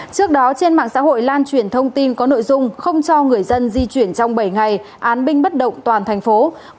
trước đó trên mạng xã hội lan truyền thông tin có nội dung không cho người dân di chuyển trong bảy ngày án binh bất động toàn thành phố